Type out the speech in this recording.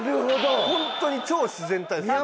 ホントに超自然体です。